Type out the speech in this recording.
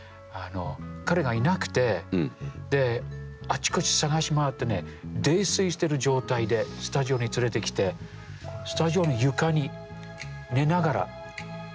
彼がいなくてであちこち捜し回ってね泥酔してる状態でスタジオに連れてきてスタジオの床に寝ながらこのベースを弾いたと逸話つき。